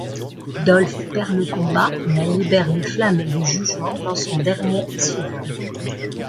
Dolf perd le combat, mais libère les Flammes du Jugement dans son dernier souffle.